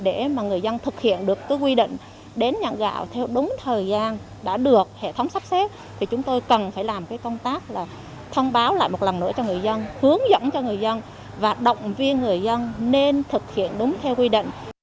để mà người dân thực hiện được quy định đến nhận gạo theo đúng thời gian đã được hệ thống sắp xếp thì chúng tôi cần phải làm cái công tác là thông báo lại một lần nữa cho người dân hướng dẫn cho người dân và động viên người dân nên thực hiện đúng theo quy định